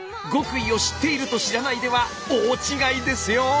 極意を知っていると知らないでは大違いですよ！